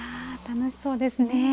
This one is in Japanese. わあ楽しそうですね。